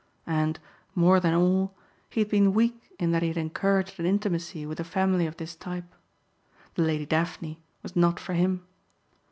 And, more than all, he had been weak in that he had encouraged an intimacy with a family of this type. The Lady Daphne was not for him.